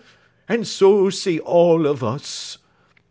And so say all of us!"